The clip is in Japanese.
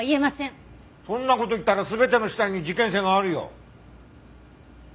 そんな事言ったら全ての死体に事件性があるよ。